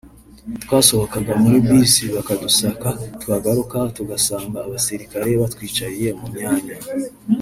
twasohokaga muri bus bakadusaka twagaruka tugasanga abasirikare batwicariye mu myanya